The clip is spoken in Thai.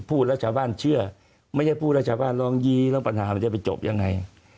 พูดรัชบ้านเชื่อไม่ได้พูดรัชบ้านลองยีแล้วปัญหามันจะไปจบยังไง